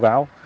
để đối tượng